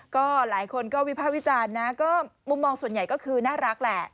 ก็หลายคนก็วิภาควิจารณ์นะก็มุมมองส่วนใหญ่ก็คือน่ารักแหละ